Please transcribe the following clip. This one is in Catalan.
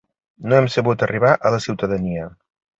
No hem sabut arribar a la ciutadania.